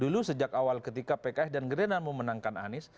dulu sejak awal ketika pks dan gerindra memenangkan anies